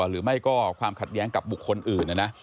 หรือไม่ก็ความขัดแย้งกับบุคคลอื่นนะนะ